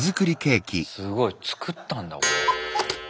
すごい作ったんだこれ。